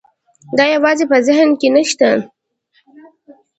دا یوازې په ذهن کې نه شته.